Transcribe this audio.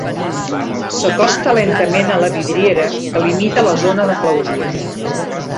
S'acosta lentament a la vidriera que limita la zona de clausura.